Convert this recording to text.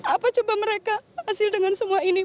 apa coba mereka hasil dengan semua ini